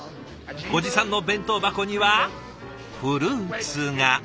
ご持参の弁当箱にはフルーツが。